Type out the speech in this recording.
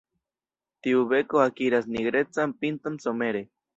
Tiu beko akiras nigrecan pinton somere.